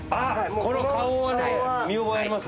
この花押は見覚えあります。